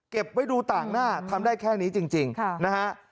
ไว้ดูต่างหน้าทำได้แค่นี้จริงนะฮะ